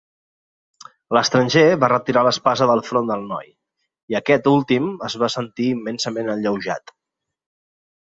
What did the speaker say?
L'estranger va retirar l'espasa del front del noi, i aquest últim es va sentir immensament alleujat.